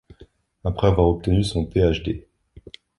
Après avoir obtenu son Ph.D.